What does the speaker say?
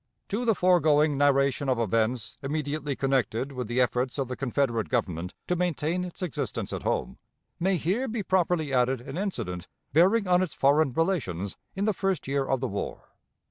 To the foregoing narration of events immediately connected with the efforts of the Confederate Government to maintain its existence at home, may here be properly added an incident bearing on its foreign relations in the first year of the war.